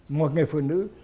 một người phụ nữ